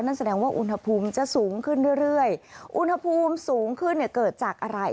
นั่นแสดงว่าอุณหภูมิจะสูงขึ้นเรื่อยเรื่อยอุณหภูมิสูงขึ้นเนี่ยเกิดจากอะไร